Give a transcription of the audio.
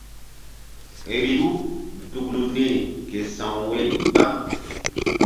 Vbilu duklu niri ke sa̧w woyri gbam.